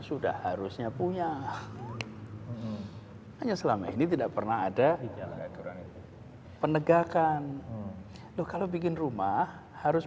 sudah harusnya punya hanya selama ini tidak pernah ada aturan penegakan loh kalau bikin rumah harus